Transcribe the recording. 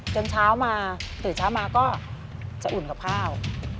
เช้ามาตื่นเช้ามาก็จะอุ่นกับข้าว